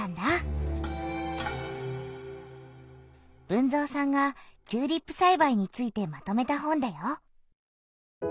豊造さんがチューリップさいばいについてまとめた本だよ。